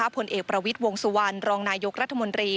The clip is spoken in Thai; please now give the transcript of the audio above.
ผลเอกประวิทย์วงสุวรรณรองนายกรัฐมนตรี